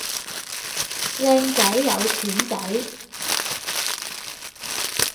靚仔有錢仔